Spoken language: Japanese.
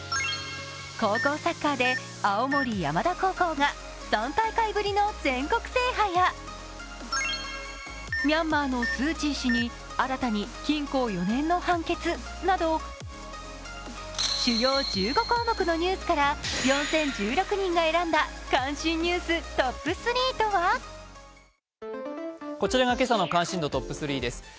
高校サッカーで青森山田高校が３大会ぶりの全国制覇やミャンマーのスー・チー氏に新たに禁錮４年の判決など、主要１５項目のニュースから４０１６人が選んだ関心ニューストップ３とはこちらが今朝の関心度トップ３です。